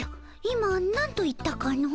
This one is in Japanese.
今なんと言ったかの？